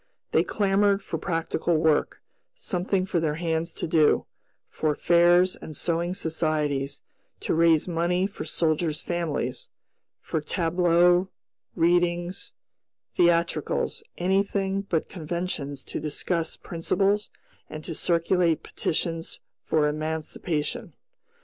They clamored for practical work, something for their hands to do; for fairs and sewing societies to raise money for soldier's families, for tableaux, readings, theatricals anything but conventions to discuss principles and to circulate petitions for emancipation.